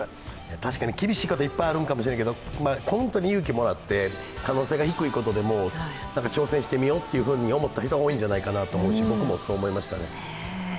確かに厳しいこといっぱいあるのかもしれないけどたくさん勇気もらって可能性が低いことでも挑戦してみようと思った人が多いんじゃないかなと思いますし僕もそう思いましたね。